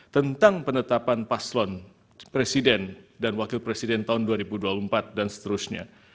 tentang penetapan paslon presiden dan wakil presiden tahun dua ribu dua puluh empat dan seterusnya